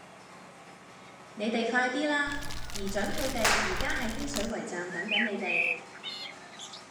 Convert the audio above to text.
你哋快啲啦!姨丈佢哋而家喺天水圍站等緊你哋